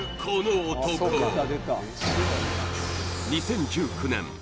この男２０１９年